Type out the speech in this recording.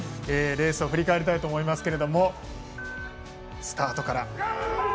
レースを振り返りたいと思いますスタートから。